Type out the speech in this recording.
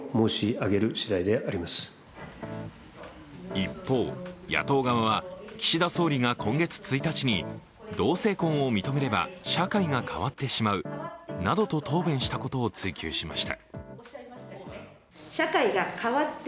一方、野党側は岸田総理が今月１日に同性婚を認めれば社会が変わってしまうなどと答弁したことを追及しました。